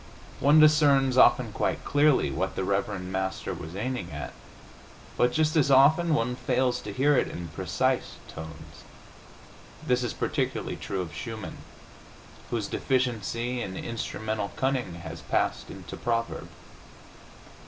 One discerns, often quite clearly, what the reverend Master was aiming at, but just as often one fails to hear it in precise tones. This is particularly true of Schumann, whose deficiency in instrumental cunning has passed into proverb.